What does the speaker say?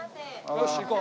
よし行こう。